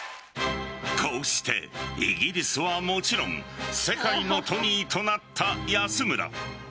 こうして、イギリスはもちろん世界のトニーとなった安村。